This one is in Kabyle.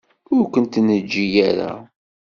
Ur kent-neǧǧi ara.